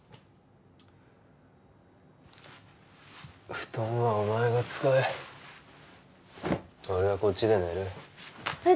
布団はお前が使え俺はこっちで寝るえっ